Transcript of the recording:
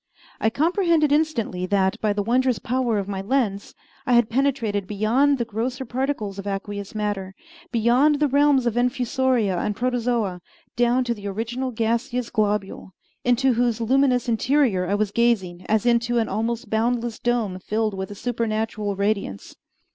I comprehended instantly that, by the wondrous power of my lens, I had penetrated beyond the grosser particles of aqueous matter, beyond the realms of infusoria and protozoa, down to the original gaseous globule, into whose luminous interior I was gazing as into an almost boundless dome filled with a supernatural radiance.